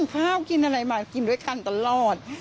ข้าวกินอะไรมากินด้วยกันตลอด